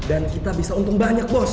dan kita bisa untung banyak bos